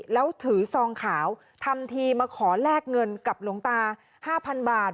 แล้วถือซองขาวทำทีมาขอแลกเงินกับหลวงตา๕๐๐๐บาท